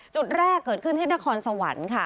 จุดแรกเกิดขึ้นที่นครสวรรค์ค่ะ